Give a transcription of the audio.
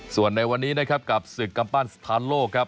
ส่วนในวันนี้กับศึกกำปั้นสถานโลก